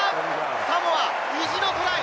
サモア、意地のトライ！